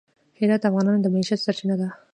هرات د افغانانو د معیشت سرچینه ده.